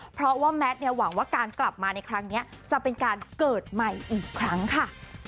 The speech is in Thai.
เพราะว่าแมทเนี่ยหวังว่าการกลับมาในครั้งนี้จะเป็นการเกิดใหม่อีกครั้งค่ะ